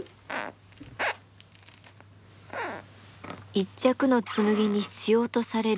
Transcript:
一着の紬に必要とされる